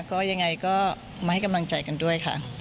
ก็ยังไงก็มาให้กำลังใจกันด้วยค่ะ